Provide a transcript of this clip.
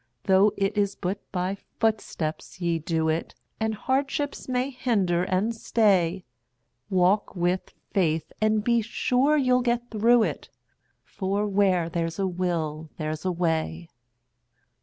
Though it is but by footsteps ye do it, And hardships may hinder and stay; Walk with faith, and be sure you'll get through it; For "Where there's a will there's a way."